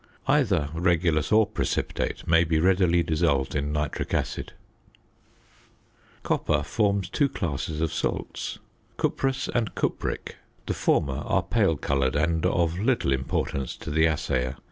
Either regulus or precipitate may be readily dissolved in nitric acid. Copper forms two classes of salts, cuprous and cupric. The former are pale coloured and of little importance to the assayer.